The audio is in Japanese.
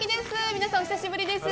皆さんお久しぶりです。